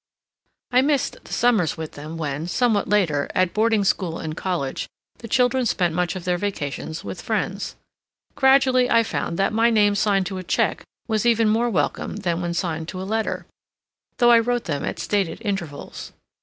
I missed the summers with them when, somewhat later, at boarding school and college, the children spent much of their vacations with friends. Gradually I found that my name signed to a check was even more welcome than when signed to a letter, though I wrote them at stated intervals.